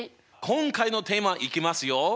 今回のテーマいきますよ。